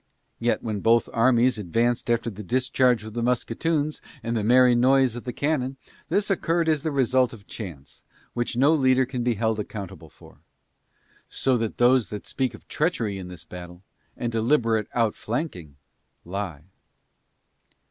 Yet, when both armies advanced after the discharge of the musketoons and the merry noise of the cannon, this occurred as the result of chance, which no leader can be held accountable for; so that those that speak of treachery in this battle, and deliberate outflanking, lie.